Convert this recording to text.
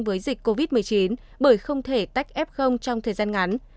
với dịch covid một mươi chín bởi không thể tách f trong thời gian ngắn